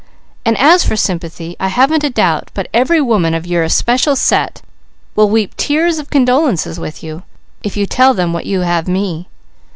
And as for sympathy, I haven't a doubt but every woman of your especial set will weep tears of condolence with you, if you'll tell them what you have me.